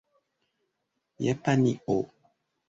japanio